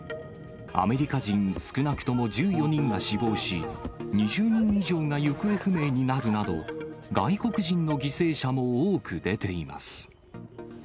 アメリカ人、少なくとも１４人が死亡し、２０人以上が行方不明になるなど、外国人の犠牲者も多く出ています。